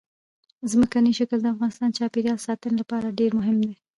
ځمکنی شکل د افغانستان د چاپیریال ساتنې لپاره ډېر مهم دي.